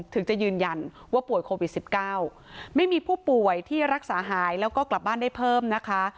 ถึงจะยืนยันว่าป่วยโควิด๑๙ไม่มีผู้ป่วยที่รักษาหายแล้วก็กลับบ้านได้เพิ่มนะคะ